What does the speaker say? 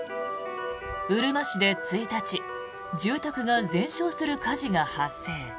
うるま市で１日住宅が全焼する火事が発生。